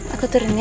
aku turun ya